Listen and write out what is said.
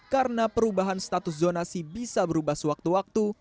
karena perubahan status zonasi bisa berubah sewaktu waktu